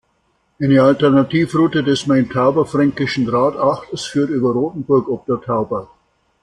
Eine Alternativroute des Main-Tauber-Fränkischen Rad-Achters führt über Rothenburg ob der Tauber.